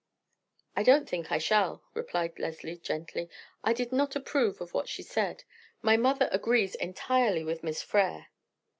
"I don't think I shall," replied Leslie gently. "I did not approve of what she said. My mother agrees entirely with Miss Frere."